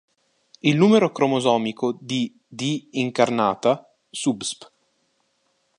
Il numero cromosomico di "D. incarnata" subsp.